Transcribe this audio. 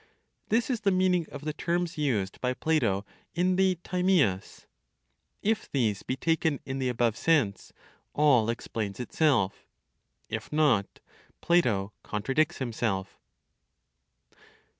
This is the meaning of the terms used (by Plato) in the Timaeus. If these be taken in the above sense, all explains itself; if not, Plato contradicts himself.